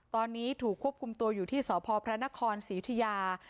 ตอนนี้ถูกควบคุมตัวอยู่ที่สพพระนครศรียุธิยา